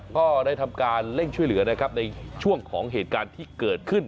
ก็ได้ทำการเร่งช่วยเหลือนะครับในช่วงของเหตุการณ์ที่เกิดขึ้น